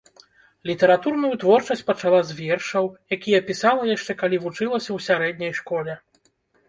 Літаратурную творчасць пачала з вершаў, якія пісала яшчэ калі вучылася ў сярэдняй школе.